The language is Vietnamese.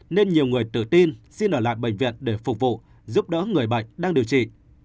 nên nhiều người tự tin xin ở lại bệnh viện để phục vụ giúp đỡ người bệnh đang điều trị